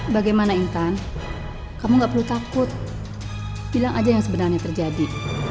bagaimana intan kamu gak perlu takut bilang aja yang sebenarnya terjadi